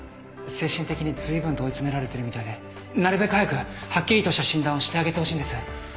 精神的にずいぶんと追い詰められてるみたいでなるべく早くはっきりとした診断をしてあげてほしいんです